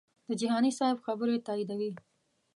د جهاني صاحب خبرې تاییدوي.